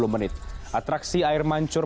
dua puluh menit atraksi air mancur